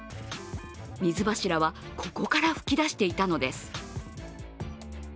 水柱は、ここから噴き出していたのです。